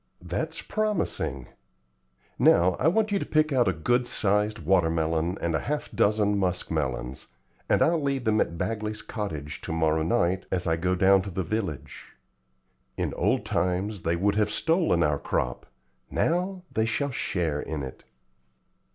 "That's promising. Now I want you to pick out a good sized water melon and half a dozen musk melons, and I'll leave them at Bagley's cottage to morrow night as I go down to the village. In old times they would have stolen our crop; now they shall share in it."